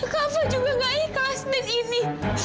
kak fad juga nggak ikhlas dengan ini